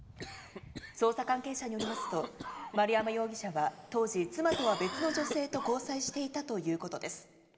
捜査関係者によりますと丸山容疑者は当時、妻とは別の女性と交際していたということです。